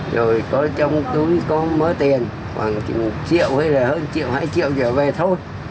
rồi có trong túi có mớ tiền khoảng một triệu hay là hơn triệu hai triệu trở về thôi